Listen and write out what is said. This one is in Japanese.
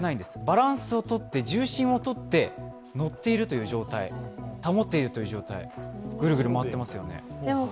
バランスをとって、重心をとって乗っている状態、保っているという状態、ぐるぐる回ってますよね。